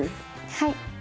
はい。